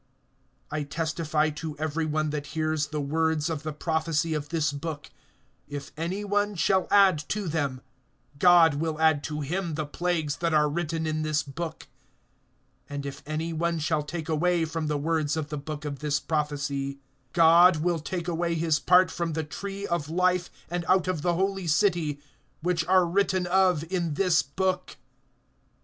(18)I testify to every one that hears the words of the prophecy of this book, if any one shall add to them, God will add to him the plagues that are written in this book; (19)and if any one shall take away from the words of the book of this prophecy, God will take away his part from the tree of life, and out of the holy city, which are written of in this book.